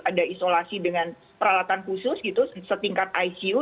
ada isolasi dengan peralatan khusus gitu setingkat icu